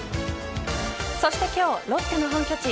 そして今日ロッテの本拠地ＺＯＺＯ